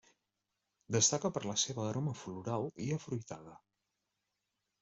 Destaca per la seva aroma floral i afruitada.